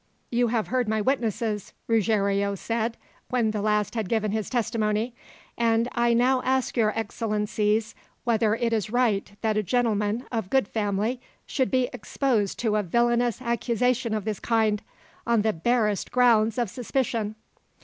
"You have heard my witnesses," Ruggiero said, when the last had given his testimony; "and I now ask your excellencies, whether it is right that a gentleman, of good family, should be exposed to a villainous accusation of this kind, on the barest grounds of suspicion?"